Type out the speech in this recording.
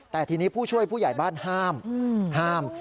แต่ทีนี้ผู้ช่วยผู้ใหญ่บ้านห้ามห้าม